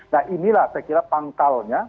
nah inilah saya kira pangkalnya